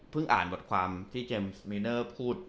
พึ่งอ่านบทความพี่เจมส์เมนเตอร์พูด